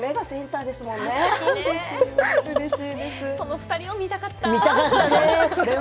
その２人を見たかった。